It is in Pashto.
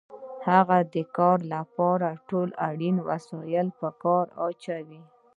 هغه د کار لپاره ټول اړین وسایل په کار اچوي